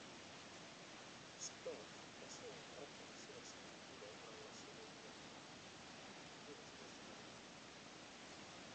Scott va ser honrat per la seva escriptura durant la seva vida i després de morir.